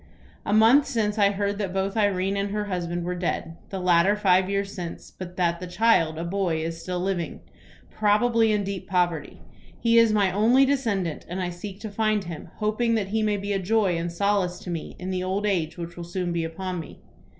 "A month since I heard that both Irene and her husband were dead, the latter five years since, but that the child, a boy, is still living, probably in deep poverty. He is my only descendant, and I seek to find him, hoping that he may be a joy and solace to me in the old age which will soon be upon me.